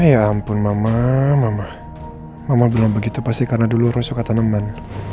ya ampun mama mama belum begitu pasti karena dulu roy suka tanaman